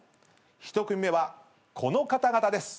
１組目はこの方々です。